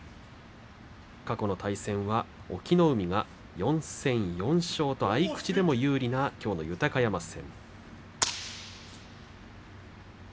過去の対戦は隠岐の海が４戦４勝と合い口でも有利なきょうの豊山戦。